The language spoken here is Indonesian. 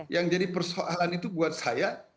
yang jadi persoalan itu buat saya